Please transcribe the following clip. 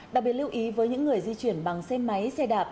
đặc biệt lưu ý với những người di chuyển bằng xe máy xe đạp